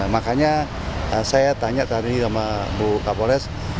makanya saya tanya tadi sama bu kapolres